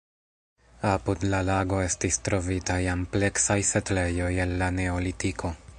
Apud la lago estis trovitaj ampleksaj setlejoj el la neolitiko.